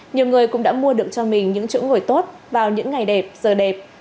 nhiều người cũng đã mua được cho mình những chỗ ngồi tốt vào những ngày đẹp giờ đẹp